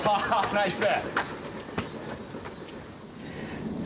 ナイス。